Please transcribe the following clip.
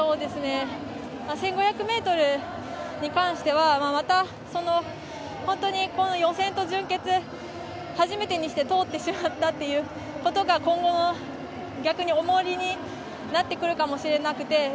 １５００ｍに関してはまた本当に予選と準決初めてにして通ってしまったということが今後の、逆に重荷になってくるかもしれなくて。